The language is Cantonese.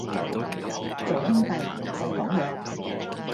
做兄弟唔使講嘢